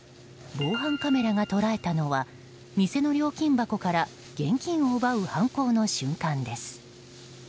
防犯カメラが捉えたのは店の料金箱から現金を奪う犯行の瞬間です。